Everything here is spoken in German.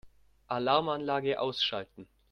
Alarmanlage ausschalten.